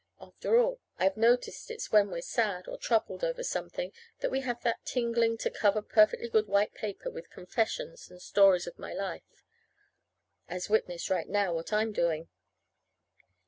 After all, I've noticed it's when we're sad or troubled over something that we have that tingling to cover perfectly good white paper with "confessions" and "stories of my life." As witness right now what I'm doing.